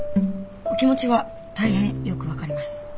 お気持ちは大変よく分かりますはい。